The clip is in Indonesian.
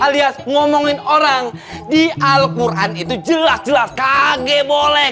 alias ngomongin orang di al quran itu jelas jelas kage boleh